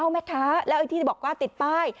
แม่ค้าแล้วที่บอกก็ติดป้าย